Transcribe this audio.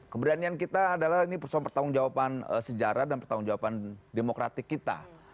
keberanian kita adalah ini persoalan pertanggung jawaban sejarah dan pertanggung jawaban demokratik kita